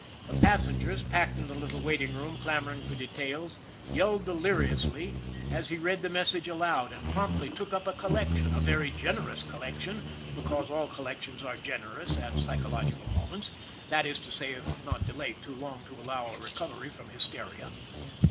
The passengers, packed in the little waiting room clamoring for details, yelled deliri SHANLEY'S LUCK 121 ously as he read the message aloud and promptly took up a collection, a very generous collection, because all collections are generous at psychological moments that is to say, if not delayed too long to allow a re covery from hysteria.